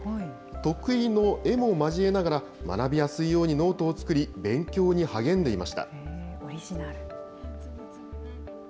得意の絵も交えながら、学びやすいようにノートを作り、勉強に励んでいました。